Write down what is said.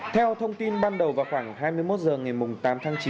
theo thông tin ban đầu vào khoảng hai mươi một h ngày tám tháng chín